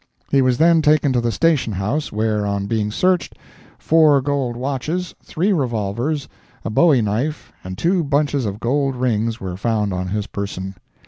He was then taken to the station house, where, on being searched, four gold watches, three revolvers, a bowie knife, and two bunches of gold rings were found on his person.